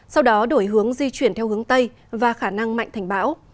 sau đó đổi hướng di chuyển theo hướng tây và khả năng mạnh thành bão